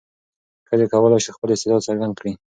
ښځې کولای شي خپل استعداد څرګند کړي.